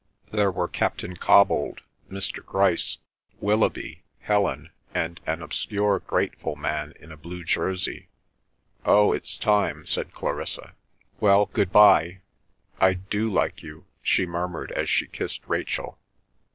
There were Captain Cobbold, Mr. Grice, Willoughby, Helen, and an obscure grateful man in a blue jersey. "Oh, it's time," said Clarissa. "Well, good bye. I do like you," she murmured as she kissed Rachel.